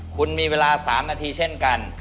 คุณมีเวลา๓นาทีเช่นกัน